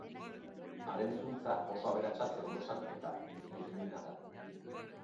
Haren zuntza oso aberatsa zelulosan eta lignina da.